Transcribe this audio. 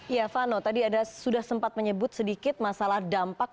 ya vano tadi ada sudah sempat menyebut sedikit masalah dampak